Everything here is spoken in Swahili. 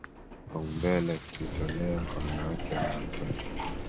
kipaumbele kilitolewa kwa wanawake na watoto